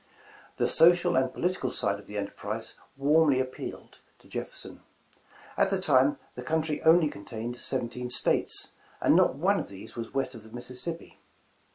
The social and political side of the enterprise warmly appealed to Jefferson. At the time, the country only contained seventeen States, and not one of these was west of the Misissippi.